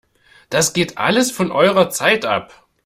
Das geht alles von eurer Zeit ab!